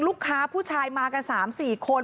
ลูกค้าผู้ชายมากัน๓๔คน